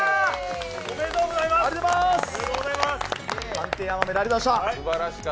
おめでとうございます。